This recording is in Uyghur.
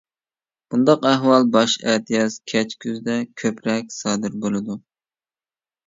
بۇنداق ئەھۋال باش ئەتىياز، كەچ كۈزدە كۆپرەك سادىر بولىدۇ.